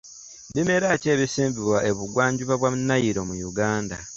Bimera ki ebisimbibwa ebugwa njuba bwa Nile mu Uganda?